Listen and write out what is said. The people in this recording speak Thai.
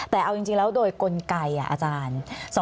แต่เอาจริงแล้วโดยกลไกอาจารย์